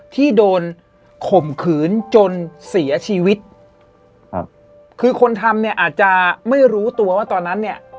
ที่โดนข่มขืนจนเสียชีวิตครับคือคนทำเนี่ยอาจจะไม่รู้ตัวว่าตอนนั้นเนี่ย